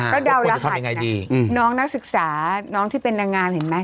แล้วเดารหัสไงดีน้องนักศึกษาน้องที่เป็นนางงามเห็นไหม